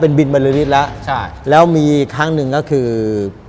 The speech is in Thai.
เป็นบินมาเรือนิดละแล้วมีครั้งนึงก็คือ